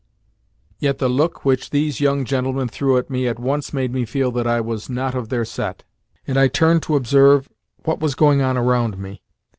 Yet the look which these young gentlemen threw at me at once made me feel that I was not of their set, and I turned to observe what was going on around me.